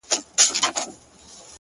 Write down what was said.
نه -نه محبوبي زما-